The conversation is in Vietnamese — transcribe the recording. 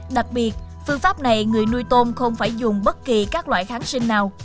đặc biệt phương pháp này người nuôi tôm không phải dùng bất kỳ các loại kháng sinh nào